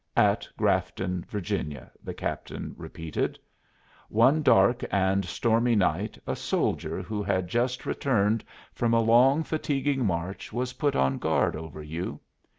"At Grafton, Virginia," the captain repeated. "One dark and stormy night a soldier who had just returned from a long, fatiguing march was put on guard over you.